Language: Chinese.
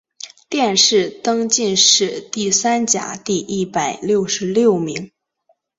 殿试登进士第三甲第一百六十六名。